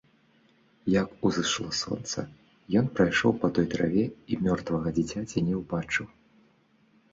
Як узышло сонца, ён прайшоў па той траве і мёртвага дзіцяці не ўбачыў.